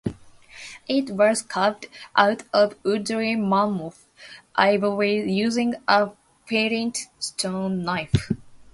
It was carved out of woolly mammoth ivory using a flint stone knife.